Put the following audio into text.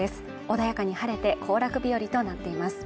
穏やかに晴れて行楽日和となっています